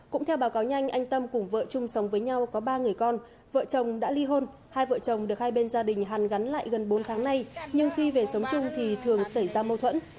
cũng theo báo cáo nhanh anh tâm cùng vợ chung sống với nhau có ba người con vợ chồng đã ly hôn hai vợ chồng được hai bên gia đình hàn gắn lại gần bốn tháng nay nhưng khi về sống chung thì thường xảy ra mâu thuẫn